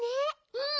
うん。